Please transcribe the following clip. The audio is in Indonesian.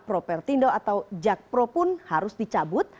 roper tindo atau jakpro pun harus dicabut